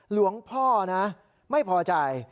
หลวงพ่อนะไม่พอใจ